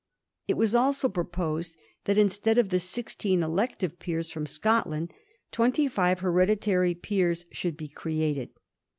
It was also proposed that, instead of the sixteen elective Peera from Scotland, twenty five hereditary Peers should be created.